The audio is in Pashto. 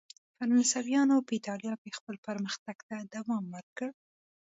فرانسویانو په اېټالیا کې خپل پرمختګ ته دوام ورکړ.